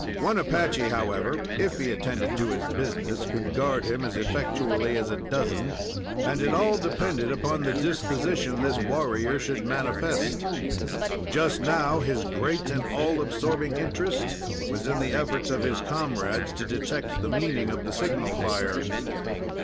One Apache, however, if he attended to his business, could guard him as effectually as a dozen, and it all depended upon the disposition this warrior should manifest. Just now his great and all absorbing interest was in the efforts of his comrades to detect the meaning of the signal fire.